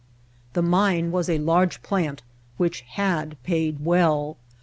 The mine was a large plant which had paid well.